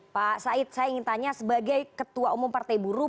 pak said saya ingin tanya sebagai ketua umum partai buruh